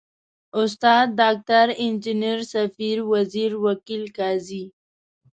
استاد، ډاکټر، انجنیر، ، سفیر، وزیر، وکیل، قاضي ...